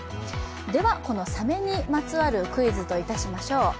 では、このサメにまつわるクイズといたしましょう。